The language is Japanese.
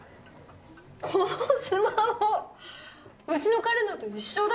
このスマホうちの彼のと一緒だ！